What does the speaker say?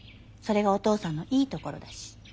それがお父さんのいいところだし。